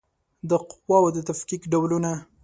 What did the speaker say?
د قواوو د تفکیک ډولونه